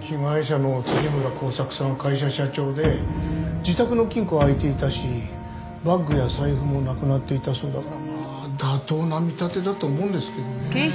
被害者の村幸作さんは会社社長で自宅の金庫は空いていたしバッグや財布もなくなっていたそうだからまあ妥当な見立てだと思うんですけどね。